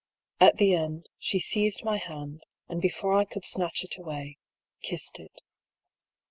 At the end, she seized my hand, and before I could snatch it away, kissed it.